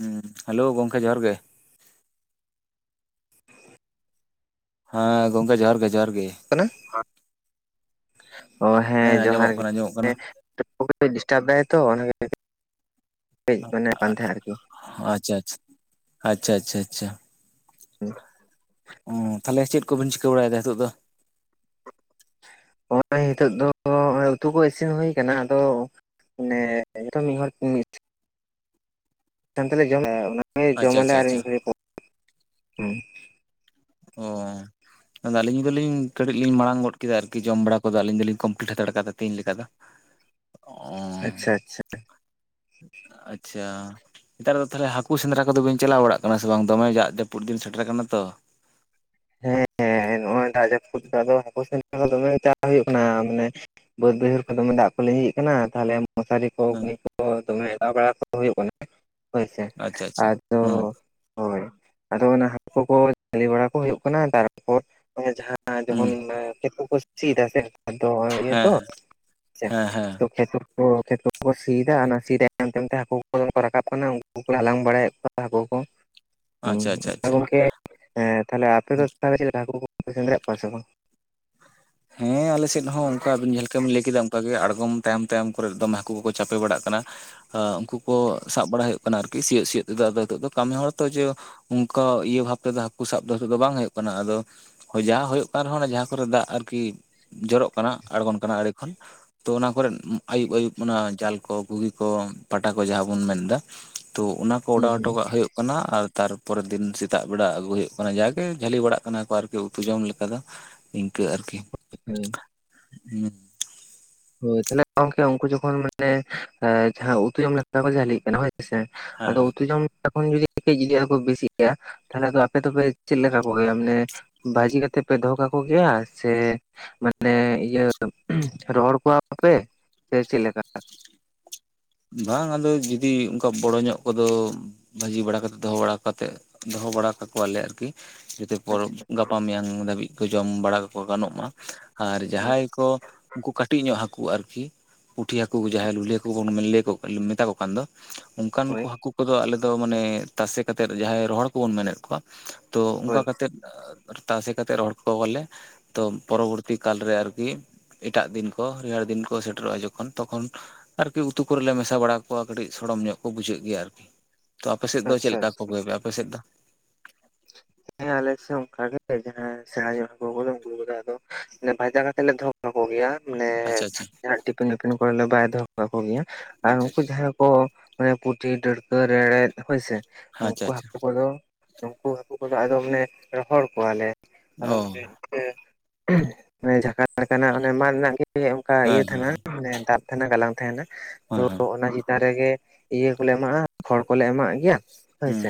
ᱦᱮᱸ ᱦᱮᱞᱳ ᱜᱚᱝᱠᱮ ᱡᱚᱦᱟᱨ ᱜᱮ ᱦᱮᱸ ᱜᱚᱢᱠᱮ ᱡᱚᱦᱟᱨ ᱜᱮ ᱡᱚᱦᱟᱨ ᱜᱮ ᱚ ᱦᱮᱸ ᱡᱚᱦᱟᱨ ᱟᱸᱡᱚᱢᱚᱜ ᱜᱮ ᱠᱟᱱᱟ ᱟᱸᱡᱚᱢᱚᱜ ᱠᱟᱱᱟ ᱰᱤᱥᱴᱟᱵ ᱫᱟᱭ ᱛᱚ ᱚᱱᱟᱜ ᱢᱮᱱᱮᱫ ᱠᱟᱱ ᱛᱟᱦᱮᱸᱱᱟ ᱟᱨᱠᱤ ᱚ ᱟᱪᱪᱷᱟ ᱟᱪᱷᱟ ᱟᱪᱪᱷᱟ ᱟᱪᱪᱷᱟ ᱟᱪᱪᱷᱟ [inaudible] ᱚᱻ ᱛᱟᱦᱚᱞᱮ ᱪᱮᱫ ᱠᱚᱵᱤᱱ ᱪᱤᱠᱟᱹ ᱵᱟᱲᱟᱭᱮᱫᱟ ᱱᱤᱛᱚᱜ ᱫᱚ ᱱᱚᱜᱼᱚᱭ ᱱᱤᱛᱳᱜ ᱫᱚ ᱱᱚᱜᱚᱭ ᱩᱛᱩ ᱠᱚ ᱤᱥᱤᱱ ᱦᱩᱭ ᱠᱟᱱᱟ ᱟᱫᱚ ᱢᱟᱱᱮ ᱮᱜᱟᱨᱚ ᱢᱤᱫ ᱦᱚᱲ ᱛᱮ ᱢᱤᱱᱤᱴ ᱢᱤᱫ ᱥᱟᱶ ᱛᱮᱞᱮ ᱡᱚᱢᱟ ᱚᱱᱟ ᱜᱮ ᱡᱚᱢ ᱟᱪᱪᱷᱟ ᱟᱞᱮ ᱟᱪᱪᱷᱟ ᱟᱪᱪᱷᱟ ᱢᱤᱫ ᱜᱷᱟᱹᱲᱤ ᱯᱚᱨ ᱚ ᱟᱫᱚ ᱟᱹᱞᱤᱧ ᱫᱚᱞᱤᱧ ᱠᱟᱹᱴᱤᱡ ᱞᱤᱧ ᱢᱟᱲᱟᱝ ᱜᱚᱫ ᱠᱮᱫᱟ ᱟᱨᱠᱤ ᱡᱚᱢ ᱵᱟᱲᱟ ᱠᱚᱫᱚ ᱟᱹᱞᱤᱧ ᱫᱚᱞᱤᱧ ᱠᱚᱢᱯᱞᱤᱴ ᱦᱟᱛᱟᱲ ᱠᱟᱫᱟ ᱛᱮᱦᱤᱧ ᱞᱮᱠᱟ ᱫᱚ ᱚ ᱟᱪᱪᱷᱟ ᱟᱪᱪᱷᱟ ᱟᱪᱪᱷᱟ ᱱᱮᱛᱟᱨ ᱫᱚ ᱛᱟᱦᱚᱞᱮ ᱦᱟᱹᱠᱩ ᱥᱮᱸᱫᱽᱨᱟ ᱠᱚᱫᱚ ᱵᱤᱱ ᱪᱟᱞᱟᱣ ᱵᱟᱲᱟᱜ ᱠᱟᱱᱟ ᱥᱮ ᱵᱟᱝ ᱫᱚᱢᱮ ᱫᱟᱜ ᱡᱟᱹᱯᱩᱫ ᱫᱤᱱ ᱥᱮᱴᱮᱨ ᱟᱠᱟᱱᱟ ᱛᱚ ᱦᱮᱸ ᱱᱚᱜᱼᱚᱭ ᱫᱟᱜ ᱡᱟᱹᱯᱩᱫ ᱫᱚ ᱦᱟᱹᱠᱩ ᱥᱮᱸᱫᱽᱨᱟ ᱫᱚᱢᱮ ᱪᱟ ᱦᱩᱭᱩᱜ ᱠᱟᱱᱟ ᱢᱟᱱᱮ ᱵᱟᱹᱫ ᱵᱟᱹᱭᱦᱟᱹᱲ ᱠᱷᱚᱱ ᱫᱚᱢᱮ ᱫᱟᱜ ᱠᱚ ᱞᱤᱸᱡᱤᱜ ᱠᱟᱱᱟ ᱛᱟᱦᱞᱮ ᱢᱚᱥᱟᱨᱤ ᱠᱚ ᱦᱮᱸ ᱜᱷᱩᱱᱤ ᱠᱚ ᱫᱚᱢᱮ ᱚᱰᱟᱣ ᱵᱟᱲᱟ ᱠᱚ ᱦᱩᱭᱩᱜ ᱠᱟᱱᱟ ᱦᱳᱭ ᱥᱮ ᱟᱪᱪᱷᱟ ᱟᱪᱪᱷᱟ ᱟᱫᱚ ᱦᱮᱸ ᱦᱳᱭ ᱟᱫᱚ ᱚᱱᱟ ᱦᱟᱹᱠᱩ ᱠᱚ ᱡᱷᱟᱹᱞᱤ ᱵᱟᱲᱟ ᱠᱚ ᱦᱩᱭᱩᱜ ᱠᱟᱱᱟ ᱛᱟᱨᱯᱚᱨ ᱡᱟᱦᱟᱸ ᱦᱮᱸ ᱡᱚᱠᱷᱚᱱ ᱠᱷᱮᱛ ᱠᱚᱠᱚ ᱥᱤᱭᱮᱫᱟ ᱥᱮ ᱟᱫᱚ ᱤᱭᱟᱹ ᱦᱮᱸ ᱛᱚ ᱦᱮᱸ ᱦᱮᱸ ᱦᱮᱸ ᱠᱷᱮᱛ ᱠᱷᱮᱛ ᱠᱚ ᱠᱚ ᱥᱤᱭᱮᱫᱟ ᱚᱱᱟ ᱥᱤ ᱛᱟᱭᱚᱢ ᱛᱟᱭᱚᱢ ᱛᱮ ᱦᱟᱹᱠᱩ ᱠᱚ ᱠᱚ ᱨᱟᱠᱟᱵ ᱠᱟᱱᱟ ᱩᱱᱠᱩ ᱦᱟᱞᱟᱝ ᱵᱟᱲᱟᱭᱮᱫ ᱠᱚᱣᱟ ᱦᱟᱹᱠᱩ ᱠᱚ [unintelligible] ᱟᱪᱪᱷᱟ ᱦᱮᱸ ᱟᱪᱪᱷᱟ ᱜᱚᱢᱠᱮ ᱛᱟᱦᱞᱮ ᱟᱯᱮ ᱫᱚ ᱪᱮᱫ ᱞᱮᱠᱟ ᱦᱟᱹᱠᱩ ᱠᱚᱯᱮ ᱥᱮᱸᱫᱽᱨᱟᱭᱮᱫ ᱠᱚᱣᱟ ᱥᱮ ᱵᱟᱝ ᱦᱮᱸ ᱟᱞᱮ ᱥᱮᱫ ᱦᱚᱸ ᱚᱱᱠᱟ ᱟᱵᱤᱱ ᱡᱟᱦᱟᱸ ᱞᱮᱠᱟ ᱵᱤᱱ ᱢᱮᱱ ᱠᱮᱫᱼᱟ ᱟᱬᱜᱚᱢ ᱛᱟᱭᱚᱢ ᱛᱟᱭᱚᱢ ᱠᱚᱨᱮ ᱫᱚᱢᱮ ᱦᱟᱹᱠᱩ ᱠᱚᱠᱚ ᱪᱟᱯᱮ ᱵᱟᱲᱟᱜ ᱠᱟᱱᱟ ᱦᱚ ᱩᱱᱠᱩ ᱠᱚ ᱥᱟᱵ ᱵᱟᱲᱟ ᱦᱩᱭᱩᱜ ᱠᱟᱱᱟ ᱟᱨᱠᱤ ᱥᱤᱭᱳᱜ ᱥᱤᱭᱳᱜ ᱛᱮᱫᱚ ᱟᱫᱚ ᱱᱤᱛᱳᱜ ᱫᱚ ᱠᱟᱹᱢᱤ ᱦᱚᱲ ᱛᱚ ᱡᱮ ᱚᱱᱠᱟ ᱤᱭᱟᱹ ᱵᱷᱟᱵ ᱛᱮᱫᱚ ᱦᱟᱹᱠᱩ ᱥᱟᱵ ᱫᱚ ᱱᱤᱛᱚᱜ ᱫᱚ ᱵᱟᱝ ᱦᱩᱭᱩᱜ ᱠᱟᱱᱟ ᱟᱫᱚ ᱦᱳᱭ ᱡᱟᱦᱟᱸ ᱦᱩᱭᱩᱜ ᱠᱟᱱ ᱨᱮᱦᱚᱸ ᱡᱟᱦᱟᱸ ᱠᱚᱨᱮ ᱫᱟᱜ ᱟᱨᱠᱤ ᱡᱚᱨᱚᱜ ᱠᱟᱱᱟ ᱟᱬᱜᱚᱱ ᱠᱟᱱᱟ ᱟᱲᱮ ᱠᱷᱚᱱ ᱛᱚ ᱚᱱᱟ ᱠᱚᱨᱮᱫ ᱟᱭᱩᱵ ᱟᱹᱭᱩᱵ ᱚᱱᱟ ᱡᱟᱞ ᱠᱚ ᱜᱷᱩᱜᱤ ᱠᱚ ᱯᱟᱴᱟ ᱠᱚ ᱡᱟᱦᱟᱸ ᱵᱚᱱ ᱢᱮᱱ ᱮᱫᱟ ᱛᱚ ᱚᱱᱟᱠᱚ ᱚᱰᱟᱣ ᱦᱩᱸ ᱦᱚᱴᱚ ᱦᱩᱸ ᱠᱟᱜ ᱦᱩᱭᱩᱜ ᱠᱟᱱᱟ ᱟᱨ ᱛᱟᱨᱯᱚᱨᱮᱨ ᱫᱤᱱ ᱥᱮᱛᱟᱜ ᱵᱮᱲᱟ ᱟᱹᱜᱩᱭ ᱦᱩᱭᱩᱜ ᱠᱟᱱᱟ ᱡᱟᱜᱮ ᱡᱷᱟᱹᱞᱤ ᱵᱟᱲᱟᱜ ᱠᱟᱱᱟ ᱠᱚ ᱟᱨᱠᱤ ᱩᱛᱩ ᱡᱚᱢ ᱞᱮᱠᱟ ᱫᱚ ᱤᱝᱠᱟᱹ ᱟᱨᱠᱤ ᱦᱮᱸ [inaudible] ᱦᱩᱸ ᱦᱳᱭ [unintelligible] ᱛᱟᱦᱚᱞᱮ ᱜᱚᱝᱠᱮ ᱩᱱᱠᱩ ᱡᱚᱠᱷᱚᱱ ᱢᱟᱱᱮ ᱡᱟᱦᱟᱸ ᱩᱛᱩ ᱡᱚᱢ ᱞᱮᱠᱟ ᱠᱚ ᱡᱷᱟᱹᱞᱤᱜ ᱠᱟᱱᱟ ᱦᱳᱭᱥᱮ ᱟᱹᱫᱚ ᱦᱮᱸ ᱩᱛᱩ ᱡᱚᱢ ᱮ ᱡᱚᱠᱷᱚᱱ ᱡᱩᱫᱤ ᱠᱚ ᱵᱤᱥᱤ ᱜᱮᱭᱟ ᱛᱟᱦᱚᱞᱮ ᱟᱯᱮ ᱫᱚᱯᱮ ᱪᱮᱫ ᱞᱮᱠᱟ ᱠᱚ ᱜᱮᱭᱟ ᱢᱟᱱᱮ ᱵᱷᱟᱹᱡᱤ ᱠᱟᱛᱮᱫ ᱯᱮ ᱫᱚᱦᱚ ᱠᱟᱠᱚᱜᱮᱭᱟ ᱥᱮ ᱢᱟᱱᱮ ᱤᱭᱟᱹ ᱨᱚᱦᱚᱲ ᱠᱚᱣᱟᱯᱮ ᱥᱮ ᱪᱮᱫᱚ ᱞᱮᱠᱟ ᱵᱟᱝ ᱟᱫᱚ ᱡᱩᱫᱤ ᱚᱱᱠᱟ ᱵᱚᱲᱚ ᱧᱚᱜ ᱠᱚᱫᱚ ᱵᱷᱟᱹᱡᱤ ᱵᱟᱲᱟ ᱠᱟᱛᱮᱫ ᱫᱚᱦᱚ ᱵᱟᱲᱟ ᱠᱟᱛᱮᱫ ᱫᱚᱦᱚ ᱵᱟᱲᱟ ᱠᱟᱠᱚᱣᱟᱞᱮ ᱟᱨᱠᱤ ᱡᱚᱛᱚ ᱯᱚᱨᱚᱵ ᱟᱪᱪᱷᱟ ᱜᱟᱯᱟ ᱢᱮᱭᱟᱝ ᱫᱷᱟᱹᱵᱤᱡ ᱠᱚ ᱡᱚᱢ ᱵᱟᱲᱟ ᱠᱟᱠᱚ ᱜᱟᱱᱚᱜ ᱢᱟ ᱟᱨ ᱡᱟᱦᱟᱸᱭ ᱠᱚ ᱩᱱᱠᱩ ᱠᱟᱴᱤᱡ ᱧᱚᱜ ᱦᱟᱠᱩ ᱟᱨᱠᱤ ᱯᱩᱴᱷᱤ ᱦᱟᱹᱠᱩ ᱡᱟᱦᱟᱸᱭ ᱞᱩᱞᱦᱤ ᱦᱟᱹᱠᱩ ᱵᱚᱱᱼᱼ ᱢᱮᱛᱟ ᱠᱚ ᱠᱟᱱ ᱫᱚ ᱚᱱᱠᱟᱱ ᱦᱳᱭ ᱠᱚ ᱦᱟᱹᱠᱩ ᱠᱩᱫᱚ ᱟᱞᱮᱫ ᱫᱚ ᱢᱟᱱᱮ ᱛᱟᱥᱮ ᱠᱟᱛᱮᱫ ᱡᱟᱦᱟᱸᱭ ᱨᱚᱦᱚᱲ ᱦᱟ. ᱠᱩ ᱵᱚᱱ ᱢᱮᱱᱮᱫ ᱠᱚᱣᱟ ᱛᱚ ᱚᱱᱠᱟ ᱦᱳᱭ ᱠᱟᱛᱮᱫ ᱛᱟᱥᱮ ᱠᱟᱛᱮᱜ ᱨᱚᱦᱚᱲ ᱠᱚᱳᱟᱞᱮ ᱛᱚ ᱯᱚᱨᱚᱵᱚᱨᱛᱤ ᱠᱟᱞᱨᱮ ᱟᱨᱠᱤ ᱮᱴᱟᱜ ᱫᱤᱱ ᱠᱚ ᱨᱮᱭᱟᱲ ᱫᱤᱱ ᱠᱚ ᱥᱮᱴᱮᱨᱚᱜ-ᱟ ᱡᱚᱠᱷᱚᱱ ᱛᱚᱠᱷᱚᱱ ᱟᱨᱤ ᱩᱛᱩ ᱠᱚᱨᱮᱞᱮ ᱢᱮᱥᱟ ᱵᱟᱲᱟ ᱠᱚᱣᱟ ᱠᱟᱹᱴᱤᱡ ᱥᱚᱲᱚᱢ ᱧᱚᱜ ᱠᱚ ᱵᱩᱡᱷᱟᱹᱜ ᱜᱮᱭᱟ ᱟᱨᱠᱤ ᱛᱚ ᱟᱯᱮ ᱥᱮᱫ ᱫᱚ ᱪᱮᱫ ᱟᱪᱪᱷᱟ ᱞᱮᱠᱟ ᱟᱪᱪᱷᱟ ᱠᱷᱜᱚᱭ ᱯᱮ ᱟᱯᱮ ᱥᱮᱫ ᱫᱚ [unintelligible] ᱦᱮᱸ ᱟᱞᱮᱥᱮᱫ ᱚᱱᱠᱟ ᱜᱮ ᱡᱟᱦᱟᱸᱭ ᱥᱮᱬᱟ ᱡᱚ ᱩᱱᱠᱩ ᱠᱚᱫᱚ ᱟᱫᱚ ᱵᱷᱟᱡᱟ ᱠᱟᱛᱮᱜ ᱞᱮ ᱫᱚᱦᱚ ᱠᱟᱠᱚ ᱜᱤᱭᱟ ᱟᱪᱷᱟ ᱟᱪᱷᱟ ᱴᱤᱯᱤᱱ ᱩᱯᱤᱱ ᱠᱚᱨᱮᱞᱮ ᱵᱟᱭ ᱫᱚᱦᱚ ᱠᱟᱠᱚ ᱜᱮᱭᱟ ᱟᱨ ᱟᱪᱪᱷᱟ ᱩᱱᱠᱩ ᱟᱪᱪᱷᱟ ᱡᱟᱦᱟᱸᱭ ᱠᱚ ᱢᱟᱱᱮ ᱯᱩᱴᱷᱤ ᱰᱟᱹᱲᱠᱟᱹ ᱨᱮᱲᱮᱫ ᱦᱩᱭᱥᱮ ᱟᱪᱪᱷᱟ ᱱᱩᱠᱩ ᱟᱪᱪᱷᱟ ᱦᱟᱠᱠᱩᱠᱫᱚ ᱩᱱᱠᱩ ᱦᱟᱹᱠᱩ ᱠᱚᱫᱚ ᱟᱫᱚᱢ ᱞᱮ ᱨᱚᱦᱚᱲ ᱠᱚᱣᱟᱞᱮ ᱟᱫᱚ ᱚ ᱟᱫᱚᱢ ᱞᱮ ᱡᱷᱟᱠᱟ ᱞᱮᱠᱟᱱᱟᱜ ᱚᱱᱮ ᱢᱟᱫ ᱨᱮᱱᱟᱜ ᱜᱮ ᱚᱱᱠᱟ ᱤᱭᱟᱹ ᱦᱮᱸ ᱛᱟᱦᱮᱱᱟ ᱢᱟᱱᱮ ᱫᱟᱜ ᱛᱟᱦᱮᱱᱟ ᱜᱟᱞᱟᱝ ᱛᱟᱦᱮᱱᱟ ᱛᱚ ᱦᱮᱸ ᱚᱱᱟᱜᱤ ᱫᱟᱨᱮᱜᱮ ᱤᱭᱟᱹ ᱠᱚᱞᱮ ᱮᱢᱟᱜ-ᱟ ᱠᱷᱚᱲ ᱠᱚᱞᱮ ᱮᱢᱟᱜ ᱜᱮᱭᱟ ᱦᱮᱸ ᱦᱳᱭᱥᱮ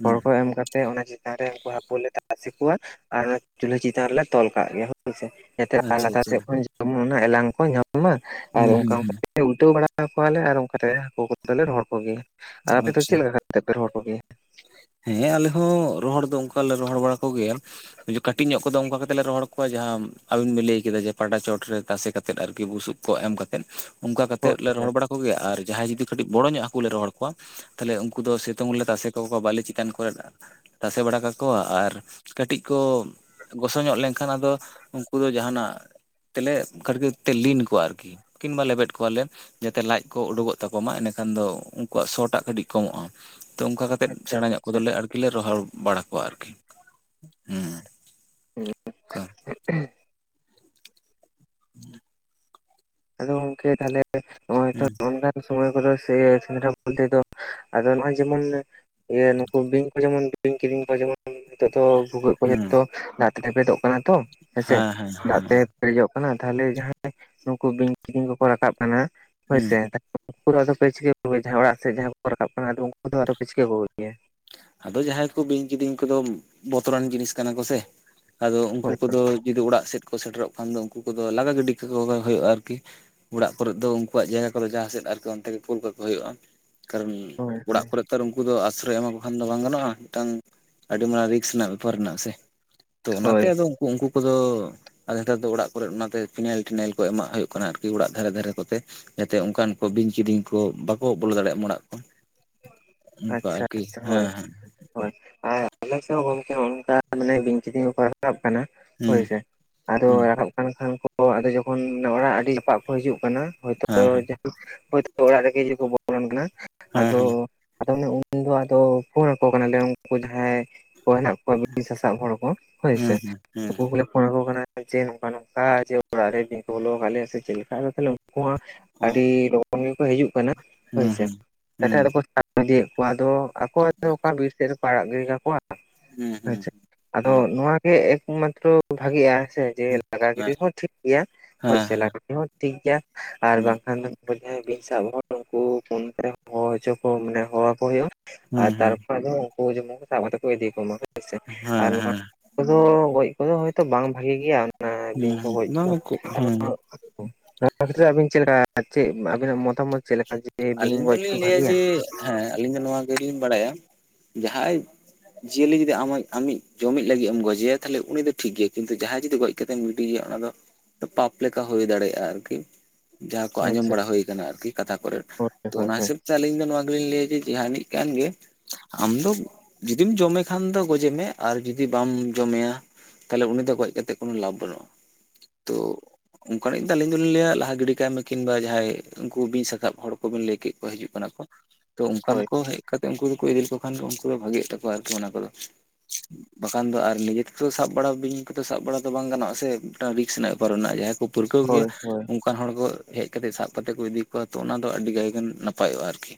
ᱦᱮᱸ ᱠᱷᱚᱲ ᱦᱮᱸ ᱠᱚ ᱮᱢ ᱠᱟᱛᱮ ᱚᱱᱟ ᱪᱮᱛᱟᱱ ᱨᱮ ᱩᱱᱠᱩ ᱦᱟᱹᱠᱠᱩ ᱞᱮ ᱛᱟᱥᱮ ᱠᱚᱣᱟ ᱟᱨ ᱚᱱᱟ ᱪᱩᱞᱦᱟᱹ ᱪᱮᱛᱟᱱ ᱨᱮᱞᱮ ᱛᱚᱞ ᱠᱟᱜ ᱜᱮᱭᱟ ᱦᱣᱥᱮ ᱡᱟᱛᱮ ᱦᱮᱸ ᱟᱨ ᱟᱪᱪᱷᱟ ᱞᱟᱛᱟᱨ ᱟᱪᱪᱷᱟ ᱥᱮᱫ ᱠᱷᱚᱱ ᱡᱮᱢᱚᱱ ᱚᱱᱟ ᱮᱞᱟᱝ ᱠᱚ ᱧᱟᱢ ᱢᱟ ᱟᱨ ᱦᱩᱸ ᱦᱩᱸ ᱚᱱᱠᱟ ᱚᱱᱠᱟ ᱦᱩᱸ ᱩᱞᱴᱟᱹᱣ ᱵᱟᱲᱟ ᱠᱚᱣᱟᱞᱮ ᱟᱨ ᱚᱱᱠᱟᱛᱮ ᱦᱟᱹᱠᱩ ᱠᱚᱫᱚᱞᱮ ᱨᱚᱦᱚᱲ ᱠᱚᱜᱮᱭᱟ ᱟᱨ ᱟᱯᱮᱫ ᱫᱚ ᱟᱪᱪᱷᱟ ᱪᱮᱫ ᱞᱮᱠᱟ ᱠᱟᱛᱮᱫᱯᱮ ᱨᱚᱦᱚᱲ ᱠᱚᱜᱮᱭᱟ ᱦᱮᱸ ᱟᱞᱮ ᱦᱚᱸ ᱨᱚᱦᱚᱲ ᱫᱚ ᱚᱱᱠᱟ ᱞᱮ ᱨᱚᱦᱚᱲ ᱵᱟᱲᱟ ᱠᱚᱜᱮᱭᱟ ᱠᱟᱹᱴᱤᱡ ᱧᱚᱜ ᱠᱚᱫᱚ ᱚᱱᱠᱟ ᱠᱟ ᱠᱟᱛᱮᱜ ᱞᱮ ᱠᱟᱴᱤᱡ ᱧᱜᱚ ᱠᱚᱫᱚ ᱠᱟᱛᱮ ᱞᱮ ᱨᱦᱚᱭᱠᱚᱳ-ᱟ ᱡᱟᱦᱟᱸ ᱟᱵᱤᱱ ᱵᱤᱱ ᱞᱟᱹᱭ ᱠᱮᱫᱟ ᱡᱮ ᱯᱟᱴᱟ ᱪᱮᱛᱟᱱᱨᱮ ᱛᱟᱥᱮ ᱠᱟ ᱠᱟᱛᱮᱫ ᱟᱨᱠᱤ ᱵᱩᱥᱩᱯ ᱠᱚ ᱮᱢ ᱠᱟᱛᱮᱫ ᱚᱱᱠᱟ ᱠᱟ ᱦᱳᱭ ᱠᱟᱛᱮᱫ ᱞᱮ ᱦᱳᱭ ᱨᱚᱦᱚᱲ ᱵᱟᱲᱟ ᱠᱚᱜᱮᱭᱟ ᱟᱨ ᱡᱟᱦᱟᱸ ᱡᱩᱫᱤ ᱠᱟᱹᱴᱤᱡ ᱵᱚᱲᱚ ᱧᱚᱜ ᱦᱟᱠᱩᱸ ᱞᱮ ᱨᱚᱦᱚᱲ ᱠᱚᱣᱟ ᱠᱷᱟᱹᱞᱤ ᱩᱱᱠᱩ ᱫᱚ ᱥᱤᱛᱩᱝ ᱞᱮ ᱛᱟᱥᱮ ᱠᱟ ᱠᱚᱣᱟᱹ ᱵᱟᱹᱞᱤ ᱪᱮᱛᱟᱱ ᱠᱚᱨᱮ [unintelligible] ᱛᱟᱥᱮ ᱵᱟᱲᱟ ᱠᱟᱠᱚᱣᱟ ᱟᱨ ᱠᱟᱹᱴᱤᱡ ᱠᱚ ᱜᱚᱥᱚ ᱧᱚᱜ ᱞᱮᱱᱠᱷᱟᱱ ᱟᱫᱚ ᱩᱱᱠᱩ ᱫᱚ ᱡᱟᱦᱱᱟᱜ ᱛᱮᱞᱮ ᱠᱷᱠ ᱛᱮᱞᱮ ᱞᱤᱱ ᱠᱚᱣᱟ ᱟᱨᱠᱤ ᱠᱤᱱᱵᱟ ᱞᱮᱵᱮᱫ ᱠᱚᱣᱟᱞᱮ ᱡᱟᱛᱮ ᱞᱟᱡ ᱠᱚ ᱩᱰᱩᱠᱚᱜ ᱛᱟᱠᱚ ᱢᱟ ᱮᱸᱰᱮᱠᱷᱟᱱ ᱫᱚ ᱩᱱᱠᱩᱣᱟᱜ ᱥᱚᱴᱟᱜ ᱠᱟᱹᱴᱤᱡ ᱠᱚᱢᱚᱜ-ᱟ ᱛᱚ ᱚᱱᱠᱟ ᱠᱟᱛᱮ ᱛᱮᱫ ᱟᱪᱪᱷᱟ ᱥᱮᱬᱟ ᱧᱚᱜ ᱟᱪᱪᱷᱟ ᱠᱚᱫᱚᱞᱮ ᱟᱨᱠᱤᱞᱮ ᱨᱚᱦᱚᱲ ᱵᱟᱲᱟ ᱠᱚᱣᱟ ᱟᱨᱠᱤ ᱦᱮᱸ ᱦᱮᱸ ᱚᱱᱠᱟ ᱦᱮᱸ [inaudible] ᱟᱫᱚ ᱜᱚᱝᱠᱮ ᱛᱟᱦᱚᱞᱮ ᱱᱚᱜᱼᱚᱭ ᱛᱚ ᱦᱮᱸ ᱚᱱᱠᱟᱱ ᱥᱚᱢᱚᱭ ᱠᱚᱫᱚ ᱥᱮ ᱥᱮᱸᱫᱽᱨᱟ ᱢᱚᱫᱽᱮ ᱫᱚ ᱟᱫᱚ ᱱᱚᱜ-ᱚᱭ ᱡᱮᱢᱚᱱ ᱤᱭᱮ ᱱᱩᱠᱩ ᱵᱤᱧ ᱠᱚ ᱡᱮᱢᱚᱱ ᱵᱤᱧ ᱠᱤᱫᱤᱧ ᱠᱚ ᱡᱮᱢᱚᱱ ᱱᱤᱛᱚᱜ ᱫᱚ ᱵᱷᱩᱜᱟᱹᱜ ᱠᱚ ᱦᱩᱸ ᱡᱚᱛᱚ ᱫᱟᱜ ᱛᱮ ᱞᱮᱯᱮᱡᱚᱜ ᱠᱟᱱᱟ ᱛᱚ ᱦᱮᱸᱥᱮ ᱦᱮᱸ ᱦᱮᱸ ᱫᱟᱜ ᱦᱮᱸ ᱛᱮ ᱯᱮᱨᱮᱡᱚᱜ ᱠᱟᱱᱟ ᱛᱟᱦᱞᱮ ᱡᱟᱦᱟᱸᱭ ᱠᱩ ᱵᱤᱧ ᱠᱤᱫᱤᱧ ᱠᱚᱠᱚ ᱨᱟᱠᱟᱵ ᱠᱟᱱᱟ ᱦᱩᱸ ᱦᱳᱭᱥᱮ ᱩᱱᱠᱩ ᱫᱚ ᱟᱫᱚ ᱯᱮ ᱪᱤᱠᱟᱹ ᱠᱚᱜᱮᱭᱟ ᱡᱟᱦᱟᱸᱭ ᱚᱲᱟᱜ ᱥᱮᱫ ᱡᱟᱦᱟᱸᱭ ᱠᱚᱠᱚ ᱨᱟᱠᱟᱵ ᱠᱟᱱᱟ᱾ ᱟᱫᱚ ᱩᱱᱠᱩ ᱠᱚᱫᱚ ᱟᱫᱚ ᱯᱮ ᱪᱤᱠᱟᱹ ᱠᱚᱜᱮᱭᱟ? ᱟᱫᱚ ᱡᱟᱦᱟᱸᱭ ᱠᱚ ᱵᱤᱧ ᱠᱤᱫᱤᱧ ᱠᱚᱫᱚ ᱵᱚᱛᱚᱨᱟᱱ ᱡᱤᱱᱤᱥ ᱠᱟᱱᱟ ᱠᱚᱥᱮ ᱟᱫᱚ ᱩᱱᱠᱩ ᱦᱳᱭ ᱛᱚ ᱠᱚᱫᱚ ᱡᱩᱫᱤ ᱚᱲᱟᱜ ᱥᱮᱫ ᱠᱚ ᱥᱮᱴᱮᱨᱚᱜ ᱠᱷᱟᱱ ᱫᱚ ᱩᱱᱠᱩ ᱠᱚᱫᱚ ᱞᱟᱜᱟ ᱜᱤᱰᱤ ᱦᱩᱭᱩᱜ-ᱟ ᱟᱨᱠᱤ ᱚᱲᱟᱜ ᱠᱚᱨᱮ ᱫᱚ ᱩᱱᱠᱩᱣᱟᱜ ᱡᱟᱭᱜᱟ ᱠᱚᱨᱮ ᱡᱟᱦᱟᱸᱥᱮᱫ ᱟᱨᱠᱤ ᱚᱱᱛᱮ ᱠᱩᱞ ᱠᱟᱠᱚ ᱦᱩᱭᱩᱜ-ᱟ ᱠᱟᱨᱚᱱ ᱦᱳᱭ ᱚᱲᱟᱜ ᱦᱳᱭ ᱠᱚᱨᱮ ᱛᱚ ᱩᱱᱠᱩ ᱫᱚ ᱟᱥᱨᱚᱭ ᱮᱢᱟ ᱠᱚ ᱠᱷᱟᱱ ᱫᱚ ᱵᱟᱝ ᱜᱟᱱᱚᱜ-ᱟ ᱢᱤᱫᱴᱟᱝ ᱟᱹᱰᱤ ᱢᱟᱨᱟᱝ ᱨᱤᱠᱥ ᱨᱮᱱᱟᱜ ᱵᱮᱯᱟᱨ ᱢᱮᱱᱟᱜ-ᱟ ᱥᱮ ᱛᱚ ᱚᱱᱟᱛᱮ ᱦᱳᱭ ᱟᱫᱚ ᱩᱱᱠᱩ ᱠᱚᱫᱚ ᱟᱫᱚ ᱱᱮᱛᱟᱨ ᱫᱚ ᱚᱲᱟᱜ ᱠᱚᱨᱮ ᱚᱱᱟᱛᱮ ᱯᱷᱤᱱᱟᱭᱮᱞ ᱴᱮᱱᱟᱭᱮᱞ ᱠᱚ ᱮᱢᱟᱜ ᱦᱩᱭᱩᱜ ᱠᱟᱱᱟ ᱟᱨᱠᱤ ᱚᱲᱟᱜ ᱫᱷᱟᱨᱮ ᱫᱷᱟᱨᱮ ᱠᱚᱛᱮ᱾ ᱡᱟᱛᱮ ᱚᱱᱠᱟᱱ ᱠᱚ ᱵᱤᱧ ᱠᱤᱨᱤᱧ ᱠᱚ ᱵᱟᱠᱚ ᱵᱚᱞᱚ ᱫᱟᱲᱮᱭᱟᱜ ᱚᱲᱟᱜ ᱠᱚ᱾ ᱚᱱᱠᱟ ᱟᱪᱷᱟ ᱟᱨᱠᱤ ᱟᱪᱷᱟ ᱦᱳᱭ᱾ ᱦᱮᱸ ᱦᱳᱭ ᱟᱨ ᱟᱞᱮ ᱥᱮᱫ ᱦᱚᱸ ᱜᱚᱝᱠᱮ ᱚᱱᱠᱟ ᱢᱟᱱᱮ ᱵᱤᱧ ᱠᱤᱫᱤᱧ ᱠᱚᱠᱚ ᱨᱟᱠᱟᱵ ᱠᱟᱱᱟ᱾ ᱦᱮᱸ ᱦᱳᱭ ᱥᱮ ᱟᱫᱚ ᱦᱩᱸ ᱨᱟᱠᱟᱵ ᱠᱟᱱ ᱠᱷᱟᱱ ᱠᱚ ᱟᱫᱚ ᱡᱚᱠᱷᱚᱱ ᱚᱲᱟᱜ ᱟᱹᱰᱤ ᱡᱟᱯᱟᱜ ᱠᱚ ᱦᱤᱡᱩᱜ ᱠᱟᱱᱟ᱾ ᱦᱚᱭ ᱛᱚ ᱦᱩᱸ ᱦᱮᱸ [inaudible] ᱦᱚᱭ ᱛᱚ ᱚᱲᱟᱜ ᱨᱮᱜᱮ ᱡᱚᱫᱤ ᱠᱚ ᱵᱚᱞᱚᱱ ᱠᱟᱱᱟ ᱟᱫᱚ ᱦᱮᱸ ᱟᱫᱚ ᱚᱱᱮ ᱩᱱᱫᱚ ᱟᱫᱚ ᱯᱷᱳᱱ ᱟᱠᱚ ᱠᱟᱱᱟᱞᱮ ᱩᱱᱠᱩ ᱡᱟᱦᱟᱸᱭ ᱩᱱᱠᱩ ᱦᱮᱱᱟᱜ ᱠᱚᱣᱟ ᱵᱤᱧ ᱥᱟᱥᱟᱵ ᱦᱚᱲ ᱠᱚ ᱦᱳᱭ ᱥᱮ ᱦᱮᱸ ᱦᱮᱸ ᱩᱱᱠᱩ ᱠᱚᱞᱮ ᱯᱷᱳᱱ ᱟᱠᱚ ᱠᱟᱱᱟ ᱡᱮ ᱱᱚᱝᱠᱟ ᱱᱚᱝᱠᱟ ᱡᱮ ᱚᱲᱟᱜ ᱨᱮ ᱵᱤ ᱠᱚ ᱵᱚᱞᱚ ᱟᱠᱟᱫ ᱞᱮᱭᱟ ᱥᱮ ᱪᱮᱫ ᱞᱮᱠᱟ ᱛᱟᱦᱮ ᱩᱱᱠᱩ ᱦᱚᱸ ᱦᱩᱸ ᱟᱹᱰᱤ ᱞᱚᱜᱚᱱ ᱜᱮᱠᱚ ᱦᱤᱡᱩᱜ ᱠᱟᱱᱟ ᱦᱳᱭ ᱦᱩᱸ ᱦᱩᱸ ᱦᱚᱸ ᱦᱩᱸ ᱥᱮ [inaudible] ᱦᱩᱸ ᱟᱫᱚ ᱠᱚ ᱤᱫᱤᱭᱮᱫ ᱠᱚᱣᱟ᱾ ᱟᱫᱚ ᱟᱠᱚ ᱦᱚᱭᱛᱚ ᱚᱠᱟ ᱵᱤᱨ ᱥᱮᱫ ᱨᱮᱠᱚ ᱟᱲᱟᱜ ᱜᱤᱲᱤ ᱠᱟᱠᱚᱣᱟ᱾ ᱦᱩᱸ ᱦᱩᱸ ᱦᱮᱸᱪᱮ ᱟᱫᱚ ᱱᱚᱣᱟ ᱜᱮ ᱮᱠᱢᱟᱛᱨᱚ ᱵᱷᱟᱜᱤᱜᱼᱟ᱾ ᱦᱮᱸ ᱥᱮ? ᱡᱮ ᱦᱩᱸ ᱦᱩᱸ ᱦᱩᱸ ᱞᱟᱜᱟ ᱜᱤᱰᱤ ᱦᱚᱸ ᱴᱷᱤᱠ ᱜᱮᱭᱟ ᱦᱮᱸ ᱦᱮᱸ ᱦᱳᱭᱥᱮ ᱦᱮᱸ ᱞᱟᱜᱟ ᱜᱤ [inaudible] ᱦᱚᱸ ᱴᱷᱤᱠ ᱜᱮᱭᱟ ᱟᱨ ᱵᱟᱝᱠᱷᱟᱱ ᱩᱱᱠᱩ ᱡᱟᱦᱟᱸᱭ ᱵᱤᱧ ᱥᱟᱵ ᱦᱚᱲ ᱩᱱᱠᱩ ᱯᱷᱳᱱ ᱛᱮ ᱦᱚᱦᱚ ᱦᱚᱪᱚ ᱠᱚ ᱢᱟᱱᱮ ᱦᱚᱦᱚ ᱟᱠᱚ ᱦᱩᱭᱩᱜᱼᱟ ᱟᱨ ᱦᱩᱸ ᱦᱩᱸ ᱦᱩᱸ ᱛᱟᱨᱯᱚᱨ ᱟᱫᱚ ᱩᱱᱠᱩ ᱡᱮᱢᱚᱱ ᱥᱟᱵ ᱠᱟᱛᱮ ᱠᱚ ᱤᱫᱤ ᱠᱚᱢᱟ ᱦᱳᱭ ᱥᱮ ᱟᱨ ᱦᱮᱸ ᱱᱚᱣᱟ ᱟᱫᱚ ᱜᱚᱡ ᱠᱚᱫᱚ ᱦᱚᱭᱛᱚ [unintelligible] ᱵᱟᱝ ᱵᱷᱟᱜᱤ ᱜᱮᱭᱟ ᱢᱟᱱᱮ ᱵᱤᱧ ᱠᱚ ᱜᱚᱡ ᱦᱮᱸ ᱦᱩᱸ ᱫᱚ ᱦᱩᱸ ᱦᱮᱸ ᱱᱚᱣᱟ ᱵᱷᱤᱛᱚᱨᱤ ᱨᱮ ᱟᱹᱵᱤᱱ ᱪᱮᱫ ᱞᱮᱠᱟ, ᱪᱮᱫ ᱟᱵᱤᱱᱟᱜ ᱢᱚᱛᱟᱢᱚᱛ ᱪᱮᱫ ᱞᱮᱠᱟ, ᱡᱮ ᱵᱤᱧ ᱟᱹᱞᱤᱧ ᱜᱚᱡ ᱠᱚ ᱫᱚᱞᱤᱧ ᱵᱷᱟᱜᱮᱭᱟ? [inaudible] ᱦᱮᱸ ᱟᱹᱞᱤᱧ ᱦᱚ ᱱᱚᱣᱟ ᱜᱮᱞᱤᱧ ᱵᱟᱲᱟᱭᱟ ᱾ᱡᱟᱦᱟᱸᱭ ᱡᱤᱭᱟᱹᱞᱤ ᱡᱩᱫᱤ ᱟᱢᱟᱜ ᱟᱢᱤᱡ ᱡᱚᱢᱤᱫ ᱞᱟᱹᱜᱤᱫ ᱮᱢ ᱜᱚᱡᱮᱭᱟ ᱛᱟᱦᱚᱞᱮ ᱩᱱᱤ ᱫᱚ ᱴᱷᱤᱠ ᱜᱮᱭᱟ ᱠᱤᱱᱛᱩ ᱡᱟᱦᱟᱸᱭ ᱡᱩᱫᱤ ᱜᱚᱡ ᱪᱤᱠᱟᱹᱛᱮᱢ ᱜᱤᱰᱤᱭᱼᱟ ᱚᱱᱟ ᱫᱚ ᱯᱟᱯ ᱞᱮᱠᱟ ᱦᱳᱭ ᱫᱟᱲᱮᱭᱟᱜᱼᱟ ᱟᱨᱠᱤ ᱡᱟᱦᱟᱸ ᱠᱚ ᱟᱸᱡᱚᱢ ᱟᱪᱪᱷᱟ ᱵᱟᱲᱟ ᱦᱳᱭ ᱠᱟᱱᱟ ᱟᱨᱠᱤ ᱠᱟᱛᱷᱟ ᱠᱚᱨᱮ ᱦᱳᱭ ᱛᱚ ᱦᱳᱭ ᱚᱱᱟ ᱦᱳᱭ ᱦᱤᱥᱟᱹᱵ ᱪᱷᱟ ᱟᱞᱤᱧ ᱫᱚ ᱱᱚᱣᱟ ᱜᱮᱞᱤᱧ ᱞᱟᱹᱭᱼᱟ ᱡᱮ ᱡᱟᱦᱟᱱᱤᱡ ᱠᱟᱱ ᱜᱮ ᱟᱢ ᱫᱚ ᱡᱩᱫᱤᱢ ᱡᱚᱢᱮ ᱠᱷᱟᱱ ᱫᱚ ᱜᱚᱡᱮ ᱢᱮ ᱟᱨ ᱡᱩᱫᱤ ᱵᱟᱢ ᱡᱚᱢᱮᱭᱟ ᱛᱟᱦᱚᱞᱮ ᱩᱱᱤ ᱫᱚ ᱜᱚᱡ ᱠᱟᱛᱮ ᱠᱚᱱᱳ ᱞᱟᱵᱷ ᱵᱟᱹᱱᱩᱜᱼᱟ᱾ ᱛᱚ ᱚᱱᱠᱟᱱᱤᱡ ᱫᱚ ᱟᱹᱞᱤᱧ ᱫᱚᱞᱤᱧ ᱞᱟᱹᱭᱟ ᱞᱟᱦᱟ ᱜᱤᱰᱤ ᱠᱟᱭ ᱢᱮ ᱠᱤᱢᱵᱟ ᱡᱟᱦᱟᱸᱭ ᱩᱱᱠᱩ ᱵᱤᱧ ᱥᱟᱥᱟᱵ ᱦᱚᱲ ᱠᱚ ᱵᱮᱱ ᱞᱟᱹᱭ ᱠᱮᱫ ᱠᱚ ᱦᱤᱡᱩᱜ ᱠᱟᱱᱟ ᱠᱚ ᱛᱚ ᱚᱱᱠᱟᱱ ᱠᱚ ᱦᱮᱡ ᱠᱟᱛᱮᱫ ᱩᱱᱠᱩ ᱫᱚᱠᱚ ᱤᱫᱤ ᱞᱮᱠᱚ ᱠᱷᱟᱱ ᱜᱮ ᱩᱱᱠᱩ ᱫᱚ ᱵᱷᱟᱜᱮ ᱛᱟᱠᱚᱣᱟ ᱟᱨᱠᱤ ᱚᱱᱟ ᱠᱚᱫᱚ ᱵᱟᱠᱷᱟᱱ ᱫᱚ ᱟᱨ ᱱᱤᱡᱮ ᱛᱮᱫᱚ ᱥᱟᱵ ᱵᱟᱲᱟ ᱵᱤᱧ ᱠᱚᱫᱚ ᱥᱟᱵ ᱵᱟᱲᱟ ᱫᱚ, ᱵᱟᱝ ᱜᱟᱱᱚᱜᱼᱟ ᱥᱮ? ᱢᱤᱫᱴᱟᱝ ᱨᱤᱠᱥ ᱨᱮᱱᱟᱜ ᱵᱮᱯᱟᱨ ᱢᱮᱱᱟᱜᱼᱟ ᱡᱟᱦᱟᱸᱭ ᱠᱚ ᱯᱟᱹᱨᱠᱟᱹᱣ ᱜᱮᱭᱟ ᱦᱳᱭ ᱦᱳᱭ ᱾ ᱚᱱᱠᱟᱱ ᱦᱚᱲ ᱜᱚ ᱦᱮᱡ ᱠᱟᱛᱮ ᱥᱟᱵ ᱠᱟᱛᱮ ᱠᱚ ᱤᱫᱤ ᱠᱚᱣᱟ ᱛᱚ ᱚᱱᱟ ᱛᱚ ᱟᱹᱰᱤ ᱜᱟᱭᱜᱟᱱ ᱱᱟᱯᱟᱭᱚᱜᱼᱟ ᱟᱨᱠᱤ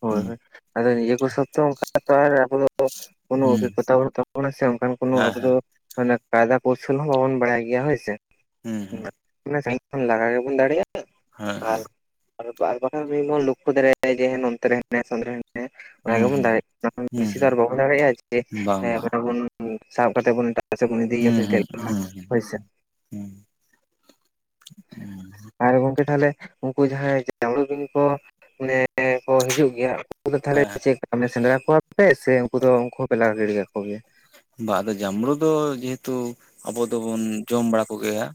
ᱦᱳᱭ ᱦᱩᱸ ᱦᱳᱭ ᱟᱫᱚ ᱱᱤᱡᱮ ᱠᱚ ᱥᱚᱯ ᱛᱚ ᱚᱱᱠᱟᱱᱟᱜ ᱛᱚ ᱟᱨ ᱟᱵᱳ ᱫᱚ ᱦᱩᱸ ᱚᱵᱷᱤᱜᱽᱜᱚᱛᱟ ᱵᱟᱱᱩᱜ ᱛᱟᱵᱚᱱᱟ ᱥᱮ ᱦᱮᱸ ᱦᱮᱸ ᱢᱟᱱᱮ ᱠᱟᱭᱫᱟ ᱠᱚᱳᱣᱥᱚᱞ ᱦᱚᱸ ᱵᱟᱵᱚᱱ ᱵᱟᱲᱟᱭ ᱜᱮᱭᱟ ᱦᱳᱭᱥᱮ ᱦᱩᱸ ᱦᱩᱸ ᱞᱟᱜᱟ ᱜᱮᱵᱚᱱ ᱫᱟᱲᱮᱭᱟᱜᱼᱟ, ᱦᱮᱸ ᱦᱮᱸ ᱟᱨ ᱵᱟᱠᱷᱟᱱ ᱞᱚᱠᱠᱷᱚ ᱫᱟᱲᱮᱟᱭ ᱡᱮ ᱱᱚᱱ [inaudible] [inaudible] ᱚᱱᱟ ᱦᱩᱸ ᱜᱮᱵᱚᱱ ᱫᱟᱲᱮᱭᱟᱜᱼᱟ ᱚᱱᱟ ᱠᱷᱚᱱ ᱦᱩᱸ ᱵᱮᱥᱤ ᱫᱚ ᱦᱩᱸ ᱟᱨ ᱵᱟᱵᱚᱱ ᱫᱟᱲᱮᱭᱟᱜᱼᱟ ᱡᱮ ᱦᱩᱸ ᱵᱟᱝ ᱮ ᱵᱟᱝ [inaudible] ᱵᱚᱱ ᱥᱟᱵ ᱠᱟᱛᱮᱫ ᱵᱚᱱ ᱮᱴᱟᱜ ᱥᱮᱛ ᱵᱚᱱ ᱤᱫᱤᱭᱭᱟ ᱥᱮ ᱪᱮᱫ [inaudible] ᱦᱳᱭ ᱥᱮ ᱦᱚᱸ ᱟᱨ ᱜᱚᱝᱠᱮ ᱛᱟᱦᱚᱞᱮ ᱩᱱᱠᱩ ᱡᱟᱦᱟᱸᱭ ᱡᱟᱸᱢᱵᱽᱲᱳ ᱵᱤᱧ ᱠᱚ ᱢᱟᱱᱮ ᱮ ᱦᱚᱸ ᱦᱤᱡᱩᱜ ᱜᱮᱭᱟ ᱩᱱᱠᱩ ᱫᱚ ᱛᱟᱦᱚᱞᱮ ᱦᱮᱸ ᱪᱮᱫ ᱥᱮᱸᱫᱽᱨᱟ ᱠᱚᱣᱟ ᱯᱮ ᱥᱮ, ᱩᱱᱠᱩ ᱫᱚ ᱩᱱᱠᱩ ᱦᱚᱸᱯᱮ ᱞᱟᱜᱟ ᱜᱤᱲᱤᱠᱟᱠᱚ ᱜᱮᱭᱟ᱾ ᱵᱟ ᱟᱫᱚ ᱡᱟᱸᱢᱵᱽᱲᱳ ᱡᱮᱦᱮᱛ ᱟᱵᱳ ᱫᱚᱵᱚᱱ ᱡᱚᱢ ᱵᱟᱲᱟ ᱠᱚᱜᱮᱭᱟ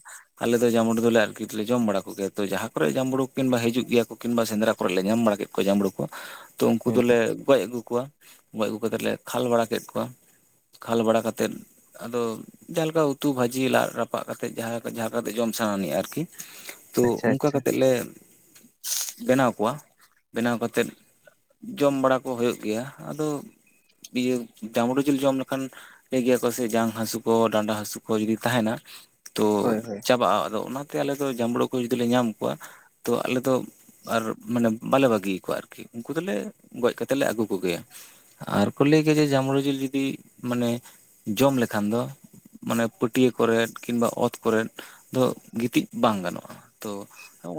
ᱟᱞᱮ ᱫᱚ ᱡᱟᱸᱵᱽᱩ ᱫᱚᱞᱮ ᱟᱨᱠᱤ ᱞᱮ ᱡᱚᱢ ᱵᱟᱲᱟ ᱠᱚᱜᱮᱭᱟ ᱛᱚ ᱡᱟᱦᱟᱸ ᱠᱚᱨᱮ ᱡᱟᱸᱢᱵᱽᱲᱳ ᱠᱤᱢᱵᱟ ᱦᱤᱡᱩᱜ ᱜᱮᱭᱟ ᱠᱚ, ᱠᱤᱢᱵᱟ ᱥᱮᱸᱫᱽᱨᱟ ᱠᱚᱨᱮ ᱞᱮ ᱧᱟᱢ ᱵᱟᱲᱟ ᱠᱮᱫ ᱠᱚ ᱡᱟᱢᱵᱲᱩ ᱠᱚ ᱛᱚ ᱩᱱᱠᱩ ᱦᱮᱸ ᱫᱚᱞᱮ ᱜᱚᱡ ᱟᱹᱜᱩ ᱠᱚᱣᱟ ᱜᱚᱡ ᱟᱹᱜᱩ ᱠᱟᱛᱮᱜ ᱞᱮ ᱠᱷᱟᱞ ᱵᱟᱲᱟ ᱠᱮᱫ ᱠᱚᱣᱟ, ᱠᱷᱟᱞ ᱵᱟᱲᱟ ᱠᱟᱛᱮᱫ ᱟᱫᱚ ᱡᱟᱦᱟ ᱞᱮᱠᱟ ᱩᱛᱩ ᱵᱷᱟᱹᱡᱤ ᱞᱟᱫ ᱨᱟᱯᱟᱜ ᱠᱟᱛᱮᱜ ᱡᱟᱦᱟᱸ ᱠᱟᱛᱮ ᱡᱚᱢ ᱥᱟᱱᱟ ᱟᱨᱠᱤ᱾ ᱛᱚ ᱟᱪᱪᱷᱟ ᱚᱱᱠᱟ ᱟᱪᱪᱷᱟ ᱠᱟᱛᱮᱜ ᱞᱮ ᱵᱮᱱᱟᱣ ᱠᱚᱣᱟ ᱵᱮᱱᱟᱣ ᱠᱟᱛᱮᱫ ᱡᱚᱢ ᱵᱟᱲᱟ ᱠᱚ ᱦᱳᱭᱳᱜ ᱜᱮᱭᱟ᱾ ᱟᱫᱚ ᱤᱭᱟᱹ ᱡᱟᱸᱢᱵᱽᱲᱳ ᱡᱤᱞ ᱡᱚᱢ ᱠᱷᱟᱱ ᱞᱟᱹᱭ ᱜᱮᱭᱟ ᱠᱚ ᱥᱮ ᱡᱟᱝ ᱦᱟᱹᱥᱩ ᱠᱚ ᱰᱟᱸᱰᱟ ᱦᱟᱹᱥᱩ ᱠᱚ ᱡᱩᱫᱤ ᱛᱟᱦᱮᱱᱟ᱾ ᱛᱚ ᱦᱳᱭ ᱦᱳᱭ ᱪᱟᱵᱟᱜᱼᱟ᱾ ᱟᱫᱚ ᱚᱱᱟᱛᱮ ᱟᱞᱮ ᱫᱚ ᱡᱟᱸᱢᱵᱽᱲᱳ ᱠᱚ ᱡᱩᱫᱤ ᱞᱮ ᱧᱟᱢ ᱠᱚᱣᱟ ᱛᱚ ᱟᱞᱮ ᱫᱚ ᱟᱨ ᱢᱟᱱᱮ ᱵᱟᱞᱮ ᱵᱟᱹᱜᱤ ᱟᱠᱚᱣᱟ ᱟᱨᱠᱤ ᱩᱱᱠᱩ ᱫᱚᱞᱮ ᱜᱚᱡ ᱠᱟᱛᱮ ᱞᱮ ᱟᱹᱜᱩ ᱠᱚᱜᱮᱭᱟ᱾ ᱟᱨ ᱠᱚ ᱞᱟᱹᱭ ᱜᱮᱭᱟ ᱡᱮ ᱡᱟᱸᱢᱵᱽᱲᱳ ᱡᱤᱞ ᱡᱚᱫᱤ ᱢᱟᱱᱮ ᱡᱚᱢ ᱞᱮᱠᱷᱟᱱ ᱫᱚ ᱢᱟᱱᱮ ᱯᱟᱹᱴᱭᱟᱹ ᱠᱚᱨᱮᱫ ᱠᱤᱱᱵᱟ ᱚᱛ ᱠᱚᱨᱮᱫ ᱫᱚ ᱜᱤᱛᱤᱡ ᱵᱟᱝ ᱜᱟᱱᱚᱜᱼᱟ᱾ ᱛᱚ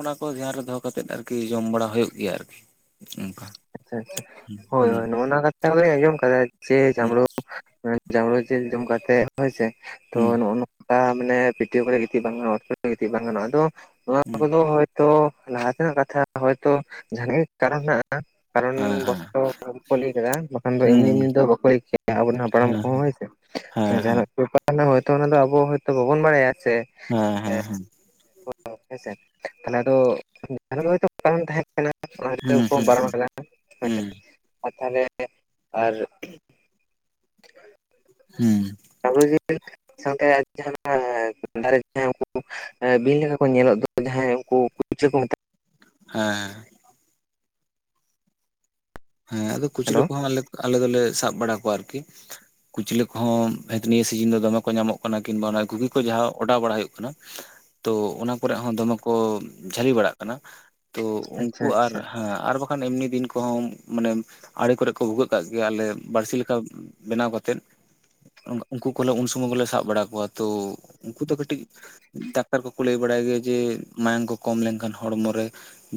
ᱚᱱᱟ ᱠᱚ ᱫᱷᱮᱭᱟᱱ ᱨᱮ ᱫᱚᱦᱚ ᱠᱟᱛᱮᱜ ᱟᱨᱠᱤ ᱡᱚᱢ ᱵᱟᱲᱟ ᱦᱳᱭᱳᱜ ᱜᱮᱭᱟ ᱟᱨᱠᱤ ᱚᱱᱠᱟ ᱟᱪᱪᱷᱟ ᱟᱪᱪᱷᱟ ᱦᱳᱭ ᱦᱩᱸ ᱦᱳᱭ ᱱᱚᱜᱚ ᱱᱚᱣᱟ ᱠᱟᱛᱷᱟ ᱦᱚᱞᱤᱧ ᱟᱡᱚᱢ ᱟᱠᱟᱫᱟ ᱡᱮ ᱦᱩᱸ ᱡᱟᱸᱢᱵᱽᱲᱳ ᱡᱟᱸᱢᱵᱽᱲᱳ ᱡᱤᱞ ᱡᱚᱢ ᱠᱟᱛᱮᱫ ᱦᱳᱭ ᱥᱮ ᱛᱚ ᱦᱩᱸ ᱱᱚᱭᱼᱱᱚᱜ ᱵᱟᱝ ᱢᱟᱱᱮ ᱯᱤᱴᱭᱳ ᱠᱚᱨᱮ ᱜᱤᱛᱤᱡ ᱵᱟᱝ ᱜᱟᱱᱚᱜ-ᱟ ᱚᱛ ᱠᱚᱨᱮ ᱜᱤᱛᱤᱡ ᱵᱟᱝ ᱜᱟᱱᱚᱜ-ᱟ ᱟᱫᱚ ᱱᱚᱣᱟ ᱦᱩᱸ ᱠᱚᱫᱚ ᱦᱚᱭ ᱛᱚ ᱞᱟᱦᱟ ᱛᱮᱱᱟᱜ ᱠᱟᱛᱷᱟ ᱦᱚᱭᱛᱚ ᱡᱟᱦᱟᱸ ᱜᱮᱦ-ᱟᱜ ᱠᱟᱨᱚᱱ ᱢᱮᱱᱟᱜ-ᱟ ᱦᱟᱸᱜ ᱠᱟᱨᱚᱱ ᱦᱮᱸ ᱦᱮᱸ ᱵᱚᱥᱚ ᱛᱚ [unintelligible] ᱜᱮ ᱵᱟᱠᱷᱟᱱ ᱫᱚ ᱮᱢᱱᱤ ᱦᱩᱸ ᱮᱢᱱᱤ ᱫᱚ ᱵᱟᱠᱚ ᱞᱟᱹᱭ ᱠᱮᱭᱟ ᱟᱵᱚᱨᱮᱱ ᱦᱟᱯᱲᱟᱢ ᱦᱮᱸ ᱠᱚᱦᱚᱸ ᱦᱳᱭᱥᱮ᱾ ᱦᱮᱸ ᱦᱮᱸ ᱡᱟᱦᱟᱱᱟᱜ ᱵᱮᱯᱟᱨ ᱫᱚ ᱦᱚᱭᱛᱚ ᱚᱱᱟ ᱫᱚ ᱟᱵᱚ ᱦᱚᱭᱛᱳ ᱵᱟᱵᱚᱱ ᱵᱟᱲᱟᱭᱟ ᱥᱮ ᱦᱮᱸ ᱦᱮᱸ ᱦᱮᱸ ᱦᱚᱭ ᱛᱚ ᱦᱮᱸᱥᱮ ᱛᱟᱦᱚᱞᱮ ᱟᱫᱚ ᱠᱟᱨᱚᱱ ᱦᱚᱭ ᱛᱚ ᱵᱟᱝ ᱛᱟᱦᱮᱸ ᱠᱟᱱᱟ ᱚᱱᱟ ᱦᱩᱸ ᱛᱮᱠᱚ ᱦᱩᱸ ᱵᱟᱨᱚᱱ ᱟᱠᱟᱫᱟ᱾ ᱟᱪᱪᱷᱟ ᱦᱩᱸ ᱟᱪᱪᱷᱟ ᱟᱨ ᱛᱟᱦᱚᱞᱮ ᱟᱨ ᱦᱮᱸ [unintelligible] ᱥᱟᱶᱛᱮ ᱡᱟᱦᱟᱸ [unintelligible] [unintelligible] ᱮᱸ ᱵᱤᱧ ᱞᱮᱠᱟ ᱠᱚ ᱧᱮᱞᱚᱜ ᱫᱚ ᱡᱟᱦᱟᱸᱭ ᱩᱱᱠᱩ ᱠᱩᱪᱞᱟᱹ ᱠᱚ ᱢᱮᱛᱟ ᱦᱮᱸ ᱦᱮᱸ ᱟᱫᱚ ᱠᱩᱪᱞᱟᱹ ᱦᱮᱞᱳ ᱠᱚᱦᱚᱸ ᱟᱞᱮ ᱫᱚᱞᱮ ᱥᱟᱵ ᱵᱟᱲᱟ ᱠᱚᱣᱟ ᱟᱨᱠᱤ᱾ ᱠᱩᱪᱞᱟᱹ ᱠᱚᱦᱚᱸ ᱦᱮᱸ ᱱᱤᱛ ᱱᱤᱭᱟᱹ ᱥᱤᱡᱟᱹᱱ ᱫᱚ ᱫᱚᱢᱮ ᱠᱚ ᱧᱟᱢᱚᱜ ᱠᱟᱱᱟ ᱠᱤᱝᱵᱟᱚ ᱚᱱᱟ ᱜᱷᱩᱜᱤ ᱠᱚ ᱡᱟᱦᱟᱸ ᱚᱰᱟᱣ ᱵᱟᱲᱟᱭ ᱦᱩᱭᱩᱜ ᱠᱟᱱᱟ ᱛᱚ ᱚᱱᱟ ᱠᱚᱨᱮ ᱦᱚᱸ ᱫᱚᱢᱮ ᱠᱚ ᱡᱷᱟᱹᱞᱤ ᱵᱟᱲᱟᱜ ᱠᱟᱱᱟ᱾ ᱛᱚ ᱟᱪᱪᱷᱟ ᱩᱱᱠᱩ ᱟᱨ ᱟᱪᱪᱷᱟ ᱦᱮᱸ ᱟᱨ ᱵᱟᱠᱷᱟᱱ ᱮᱢᱱᱤ ᱫᱤᱱ ᱠᱚᱦᱚᱸ ᱢᱟᱱᱮ ᱟᱲᱮ ᱠᱚᱨᱮ ᱠᱚ ᱵᱷᱩᱜᱟᱹᱜ ᱠᱟᱜ ᱜᱮᱭᱟ ᱟᱞᱮ ᱵᱟᱹᱲᱥᱤ ᱞᱮᱠᱟ ᱵᱮᱱᱟᱣ ᱠᱟᱛᱮ ᱩᱱᱠᱩ ᱠᱚᱞᱮ ᱩᱱ ᱥᱩᱢᱟᱹᱭ ᱜᱮᱞᱮ ᱥᱟᱵ ᱵᱟᱲᱟ ᱠᱚᱣᱟ ᱛᱚ ᱩᱱᱠᱩ ᱫᱚ ᱠᱟᱹᱴᱤᱡ ᱠᱟᱹᱴᱤᱡ ᱰᱟᱠᱛᱟᱨ ᱠᱚᱠᱚ ᱞᱟᱹᱭ ᱵᱟᱲᱟᱭ ᱜᱮᱭᱟ ᱡᱮ ᱢᱟᱭᱟᱝ ᱠᱚ ᱠᱚᱢ ᱞᱮᱱᱠᱷᱟᱱ ᱦᱚᱲᱢᱚ ᱨᱮ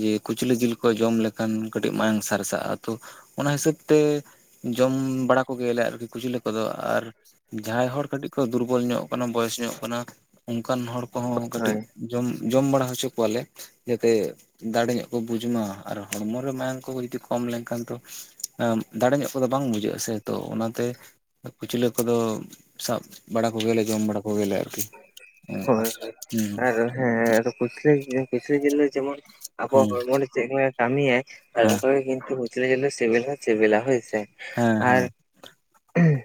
ᱡᱮ ᱠᱩᱪᱞᱟᱹ ᱡᱤᱞ ᱠᱚ ᱡᱚᱢ ᱞᱮᱠᱷᱟᱱ ᱠᱟᱹᱴᱤᱡ ᱢᱟᱭᱟᱝ ᱥᱟᱨᱥᱟᱜ-ᱟ᱾ ᱛᱚ ᱚᱱᱟ ᱦᱤᱥᱟᱹᱵ ᱛᱮ ᱡᱚᱢ ᱵᱟᱲᱟ ᱠᱚᱜᱮᱭᱟᱞᱮ ᱟᱨᱠᱤ ᱠᱩᱪᱞᱟᱹ ᱠᱚᱫᱚ ᱟᱨ ᱡᱟᱦᱟᱸᱭ ᱦᱚᱲ ᱠᱟᱹᱴᱤᱡ ᱠᱷᱚ ᱫᱩᱨᱵᱚᱞ ᱧᱚᱜ ᱠᱟᱱᱟ ᱵᱚᱭᱮᱥ ᱧᱚᱜ ᱠᱟᱱᱟ ᱚᱱᱠᱟᱱ ᱦᱚᱲ ᱠᱚᱦᱚᱸ ᱠᱟᱹᱴᱤᱡ ᱦᱳᱭ ᱡᱚᱢ ᱡᱚᱢ ᱵᱟᱲᱟ ᱦᱚᱪᱚ ᱠᱚᱣᱟᱞᱮ, ᱡᱟᱛᱮ ᱫᱟᱲᱮ ᱧᱚᱜ ᱠᱚ ᱵᱩᱡ ᱢᱟ ᱟᱨ ᱦᱚᱲᱢᱚ ᱨᱮ ᱢᱟᱭᱟᱝ ᱠᱚ ᱡᱩᱫᱤ ᱠᱚᱢ ᱞᱮᱱ ᱮᱠᱷᱟᱱ ᱛᱚ ᱮᱸ ᱫᱟᱲᱮ ᱧᱚᱜ ᱠᱚᱫᱚ ᱵᱟᱝ ᱵᱩᱡᱷᱟᱹᱜ ᱟᱥᱮ ᱛᱚ ᱚᱱᱟᱛᱮ ᱠᱩᱩᱪᱞᱟᱹ ᱠᱚᱫᱚ ᱥᱟᱵ ᱵᱟᱲᱟ ᱠᱚᱜᱮ ᱭᱟᱞᱮ ᱡᱚᱢ ᱵᱟᱲᱟ ᱠᱚᱜᱮ ᱭᱟᱞᱮ ᱚᱱᱠᱟ ᱦᱳᱭ ᱦᱳᱭ ᱦᱩᱸ᱾ ᱟᱨ ᱦᱮᱸ ᱟᱫᱚ ᱠᱩᱪᱞᱟᱹ ᱡᱤᱞ ᱠᱩᱪᱞᱟᱹ ᱡᱤᱞ ᱫᱚ ᱡᱮᱢᱚᱱ ᱟᱵᱚᱣᱟᱜ ᱦᱩᱸ ᱦᱚᱲᱢᱚ ᱨᱮ ᱪᱮᱫ ᱞᱮᱠᱟ ᱠᱟᱹᱢᱤ ᱟᱭ ᱟᱨ ᱦᱮᱸ ᱚᱱᱠᱚ ᱜᱮ ᱠᱤᱱᱛᱩ ᱠᱩᱪᱞᱟᱹ ᱡᱤᱞ ᱫᱚ ᱥᱤᱵᱮᱞ ᱦᱚᱸ ᱥᱤᱵᱤᱞ-ᱟ ᱦᱚᱭ ᱥᱮ᱾ ᱦᱮᱸ ᱦᱮᱸ ᱟᱨ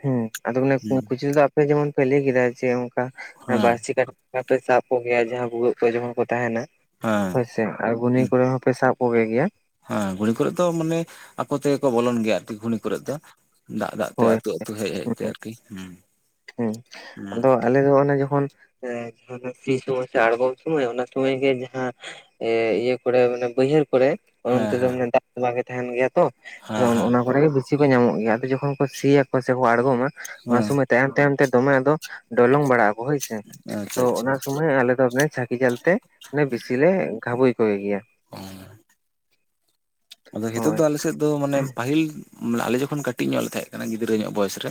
ᱦᱮᱸ ᱟᱫᱚ ᱢᱟᱱᱮ ᱦᱩᱸ ᱠᱩᱪᱞᱟᱹ ᱫᱚ ᱟᱯᱮ ᱡᱮᱢᱚᱱ ᱯᱮ ᱞᱟᱹᱭ ᱠᱮᱫᱟ ᱡᱮ ᱚᱱᱠᱟ ᱦᱮᱸ ᱵᱟᱲᱥᱤ ᱠᱟ ᱯᱮ ᱥᱟᱵ ᱠᱚᱜᱮᱭᱟ ᱡᱟᱦᱟᱸ ᱵᱷᱩᱜᱟᱹᱜ ᱠᱚᱨᱮ ᱡᱚᱠᱷᱚᱱ ᱠᱚ ᱛᱟᱦᱮᱱᱟ ᱦᱮᱸ ᱦᱳᱭᱥᱮ ᱟᱨ ᱜᱩᱱᱤ ᱦᱩᱸ ᱠᱚᱨᱮ ᱦᱚᱸᱯᱮ ᱥᱟᱵ ᱠᱚᱜᱮ ᱜᱮᱭᱟ᱾ ᱦᱮᱸ ᱜᱷᱩᱲᱤ ᱠᱚᱨᱮ ᱫᱚ ᱢᱟᱱᱮ ᱟᱠᱚ ᱛᱮᱜᱮ ᱠᱚ ᱵᱚᱞᱚᱱ ᱜᱮᱭᱟ ᱟᱨᱠᱤ ᱜᱷᱚᱱᱤ ᱠᱚᱨᱮ ᱫᱚ ᱫᱟᱜ ᱫᱟᱜ ᱛᱮ ᱦᱳᱭ ᱟᱹᱛᱩ ᱦᱮᱡ ᱦᱮᱡ ᱛᱮ ᱦᱮᱸ ᱟᱨᱠᱤ ᱦᱩᱸ᱾ ᱦᱮᱸ ᱟᱫᱚ ᱟᱞᱮ ᱫᱚ ᱚᱱᱮ ᱡᱚᱠᱷᱚᱱ ᱥᱤ ᱥᱚᱢᱚᱭ ᱥᱮ ᱟᱬᱜᱚᱢ ᱥᱚᱢᱚᱭ ᱚᱱᱟ ᱥᱚᱢᱚᱭ ᱜᱮ ᱡᱟᱦᱟᱸ ᱮᱸ ᱤᱭᱟᱹ ᱠᱚᱨᱮ ᱢᱟᱱᱮ ᱵᱟᱹᱭᱦᱟᱹᱲ ᱠᱚᱨᱮ ᱦᱮᱸ ᱚᱱᱛᱮ ᱫᱚ ᱢᱟᱱᱮ ᱫᱟᱜ ᱛᱚᱸᱵᱟ ᱜᱮ ᱛᱟᱦᱮᱸᱱ ᱜᱮᱭᱟ ᱛᱚ ᱦᱮᱸ ᱱᱚᱜ ᱦᱮᱸ ᱱᱚᱣᱟ ᱠᱚᱨᱮ ᱜᱮ ᱵᱤᱥᱤ ᱠᱚ ᱧᱟᱢᱚᱜ ᱜᱮᱭᱟ ᱟᱫᱚ ᱡᱚᱠᱷᱚᱱ ᱥᱤᱭᱟᱠᱚ ᱥᱮᱠᱚ ᱟᱬᱜᱚᱢᱟ ᱚᱱᱟ ᱦᱮᱸ ᱥᱚᱢᱚᱭ ᱛᱟᱭᱚᱢ ᱛᱟᱭᱚᱢ ᱛᱮ ᱫᱚᱢᱮ ᱟᱫᱚ- ᱰᱚᱞᱚᱝ ᱵᱟᱲᱟᱜ ᱟᱵᱚ ᱦᱚᱭᱥᱮ ᱟᱪᱪᱷᱟ ᱛᱚ ᱟᱪᱪᱷᱟ ᱚᱱᱟ [unintelligible] ᱟᱞᱮ ᱫᱚ ᱚᱱᱮ ᱪᱷᱟᱹᱠᱤ ᱡᱟᱹᱞᱛᱮ ᱵᱮᱥᱤ ᱞᱮ ᱜᱷᱟᱵᱳᱩᱭ ᱠᱚᱜᱮ ᱜᱮᱭᱟ᱾ [inaudible] ᱟᱫᱚ ᱱᱤᱛᱳᱜ ᱦᱳᱭ ᱫᱚ ᱟᱞᱮ ᱥᱮᱫ ᱫᱚ ᱢᱟᱱᱮ ᱯᱟᱹᱦᱤᱞ ᱢᱟᱱᱮ ᱟᱞᱮ ᱡᱚᱠᱷᱚᱱ ᱠᱟᱹᱴᱤᱡ ᱧᱚᱜ ᱞᱮ ᱛᱟᱦᱮᱸ ᱠᱟᱱᱟ ᱜᱤᱫᱽᱨᱟᱹ ᱧᱚᱜ ᱵᱚᱭᱮᱥ ᱨᱮ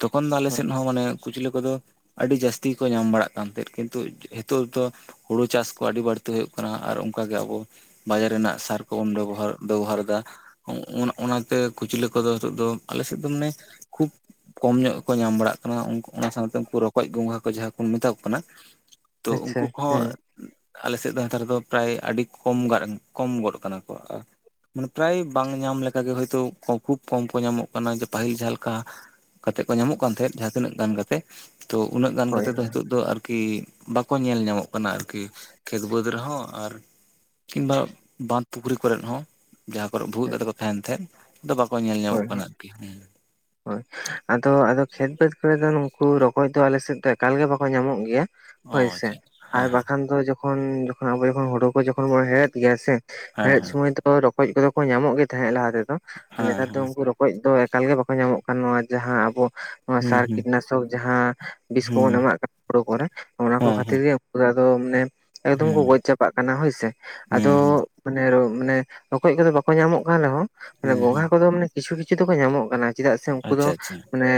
ᱛᱚᱠᱷᱚᱱ ᱫᱚ ᱟᱞᱮ ᱦᱳᱭ ᱥᱮᱫ ᱦᱚᱸ ᱢᱟᱱᱮ ᱠᱩᱪᱞᱟᱹ ᱠᱚᱫᱚ ᱟᱹᱰᱤ ᱡᱟᱹᱥᱛᱤ ᱠᱚ ᱧᱟᱢ ᱵᱟᱲᱟᱜ ᱠᱟᱱ ᱛᱟᱦᱮᱸᱫ ᱠᱤᱱᱛᱩ ᱱᱤᱛᱚᱜ ᱫᱚ ᱦᱩᱲᱩ ᱪᱟᱥ ᱠᱚ ᱟᱹᱰᱤ ᱵᱟᱹᱲᱛᱤ ᱦᱩᱭᱩᱜ ᱠᱟᱱᱟ ᱟᱨ ᱚᱱᱠᱟᱜ ᱜᱮ ᱟᱵᱚ ᱵᱟᱡᱟᱨ ᱨᱮᱱᱟᱜ ᱥᱟᱨ ᱠᱚᱵᱚᱱ ᱵᱮᱵᱚᱦᱟᱨ ᱵᱮᱵᱚᱦᱟᱨ ᱮᱫᱟ ᱚᱱᱟᱛᱮ ᱠᱩᱪᱞᱟᱹ ᱠᱚᱫᱚ ᱱᱤᱛᱚᱜ ᱫᱚ ᱟᱞᱮ ᱥᱮᱫ ᱫᱚ ᱢᱟᱱᱮ ᱠᱷᱩᱵ ᱠᱚᱢ ᱧᱚᱜ ᱜᱮ ᱠᱚ ᱧᱟᱢ ᱵᱟᱲᱟᱜ ᱠᱟᱱᱟ ᱚᱱᱟ ᱥᱟᱶᱛᱮ ᱩᱱᱠᱩ ᱨᱚᱠᱚᱡ ᱜᱚᱸᱜᱦᱟ ᱠᱚ ᱡᱟᱦᱟᱸ ᱠᱚ ᱢᱮᱛᱟ ᱠᱚ ᱠᱟᱱᱟ ᱛᱚ ᱟᱪᱪᱷᱟ ᱩᱱᱠᱩ ᱠᱚᱦᱚᱸ ᱦᱮᱸ ᱟᱞᱮ ᱥᱮᱫ ᱫᱚ ᱱᱮᱛᱟᱨ ᱫᱚ ᱯᱨᱟᱭ ᱟᱹᱰᱤ ᱠᱚᱢ ᱜᱟᱱ ᱠᱚᱢ ᱜᱚᱫ ᱠᱟᱱᱟ ᱠᱚ ᱟᱨ ᱢᱟᱱᱮ ᱯᱟᱨᱟᱭ ᱵᱟᱝ ᱧᱟᱢ ᱞᱮᱠᱟᱜᱮ ᱦᱳᱭᱛᱚ ᱠᱷᱩᱵ ᱠᱚᱢ ᱠᱚ ᱧᱟᱢᱚᱜ ᱠᱟᱱᱟ ᱯᱟᱹᱦᱤᱞ ᱡᱟᱦᱟᱸ ᱞᱮᱠᱟ ᱠᱟᱛᱮᱜ ᱠᱚ ᱧᱟᱢᱚᱜ ᱠᱟᱱ ᱛᱟᱦᱮᱸᱫ ᱡᱟᱦᱟᱸ ᱛᱤᱱᱟᱹᱜ ᱜᱟᱱ ᱠᱟᱛᱮ ᱛᱚ ᱩᱱᱟᱹᱜ ᱜᱟᱱ ᱦᱳᱭ ᱠᱟᱛᱮ ᱫᱚ ᱦᱳᱭ ᱱᱤᱛᱚᱜ ᱫᱚ ᱟᱨᱠᱤ ᱵᱟᱠᱚ ᱧᱮᱞ ᱧᱟᱢᱚᱜ ᱠᱟᱱᱟ ᱚᱱᱟ ᱟᱨᱠᱤ ᱠᱷᱮᱛ ᱵᱟᱹᱫᱽ ᱨᱮᱦᱚᱸ ᱟᱨ ᱠᱤᱱᱵᱟ ᱵᱟᱸᱫ ᱯᱩᱠᱷᱨᱤ ᱠᱚᱨᱮ ᱦᱚᱸ ᱡᱟᱦᱟᱸ ᱠᱚᱨᱮ ᱵᱷᱩᱜᱟ. ᱟᱛᱮᱫ ᱠᱚ ᱛᱟᱦᱮᱸᱱ ᱛᱟᱦᱮᱸᱫ ᱱᱤᱛᱚᱜ ᱟᱫᱚ ᱵᱟᱠᱚ ᱧᱮᱞ ᱧᱟᱢᱚᱜ ᱦᱳᱭ ᱦᱳᱭ ᱠᱟᱱᱟ ᱟᱨᱠᱤ ᱾ ᱟᱫᱚ ᱟᱫᱚ ᱠᱷᱮᱛ ᱵᱟᱹᱫᱽ ᱠᱚᱨᱮ ᱫᱚ ᱱᱩᱝᱠᱩ ᱨᱚᱠᱚᱡ ᱫᱚ ᱮᱠᱟᱞ ᱜᱮ ᱵᱟᱠᱚ ᱧᱟᱢᱚᱜ- ᱜᱮᱭᱟ ᱾ ᱚ ᱦᱳᱭ ᱥᱮ ᱟᱪᱪᱷᱟ ᱟᱨ ᱦᱮᱸ ᱵᱟᱠᱷᱟᱱ ᱫᱚ ᱡᱚᱠᱷᱚᱱ ᱟᱵᱚ ᱡᱚᱠᱷᱚᱱ ᱟᱵᱳ ᱠᱚ ᱡᱚᱠᱷᱚᱱ ᱵᱚᱱ ᱦᱮᱲᱦᱮᱫ ᱜᱮᱭᱟ ᱥᱮ ᱦᱮᱸ ᱦᱮᱲᱮᱫ ᱦᱮᱸ ᱥᱚᱢᱚᱭ ᱫᱚ ᱨᱚᱠᱚᱡ ᱠᱚᱫᱚ ᱠᱚ ᱧᱟᱢᱚᱜ ᱜᱮ ᱛᱟᱦᱮᱸᱫ ᱞᱟᱦᱟ ᱛᱮᱫᱚ ᱾ ᱱᱮᱛᱟᱨ ᱫᱚ ᱩᱱᱠᱩ ᱨᱚᱠᱚᱡ ᱫᱚ ᱮᱠᱟᱞ ᱜᱮ ᱵᱟᱠᱚ ᱧᱟᱢᱚᱜ ᱠᱟᱱᱟ ᱡᱟᱦᱟᱸ ᱟᱵᱚ ᱦᱮᱸ ᱦᱮᱸ ᱥᱟᱨ ᱦᱮᱸ ᱠᱤᱴᱱᱟᱥᱚᱠ ᱡᱟᱦᱟᱸ ᱵᱤᱥ ᱠᱚᱵᱚᱱ ᱦᱮᱸ ᱮᱢᱟᱜ ᱠᱟᱱ [inaudible] ᱠᱚᱨᱮ ᱚᱱᱟ ᱠᱚ ᱦᱮᱸ ᱦᱮᱸ ᱠᱷᱟᱹᱛᱤᱨ ᱜᱮ ᱦᱳᱭ ᱟᱫᱚ ᱢᱟᱱᱮ ᱮᱠᱫᱚᱢ ᱦᱮᱸ ᱠᱚ ᱦᱮᱸ ᱜᱚᱡ ᱪᱟᱵᱟᱜ ᱠᱟᱱᱟ ᱦᱳᱭᱥᱮ ᱟᱫᱚ ᱦᱮᱸ ᱢᱟᱱᱮ ᱢᱟᱱᱮ ᱨᱠᱚᱡ ᱠᱚᱫᱚ ᱵᱟᱠᱚ ᱧᱟᱢᱚᱜ ᱠᱟᱱ ᱨᱮᱦᱚᱸ ᱢᱟᱱᱮ ᱦᱩᱸ ᱜᱚᱸᱜᱷᱟ ᱦᱩᱸ ᱠᱚᱫᱚ ᱢᱟᱱᱮ ᱠᱤᱪᱷᱩ ᱠᱤᱪᱷᱩ ᱫᱚᱠᱚ ᱧᱟᱢᱚᱜ ᱠᱟᱱᱟ ᱪᱮᱫᱟᱜ ᱥᱮ ᱩᱱᱠᱩ ᱫᱚ ᱟᱪᱪᱷᱟ ᱟᱪᱪᱷᱟ ᱢᱟᱱᱮ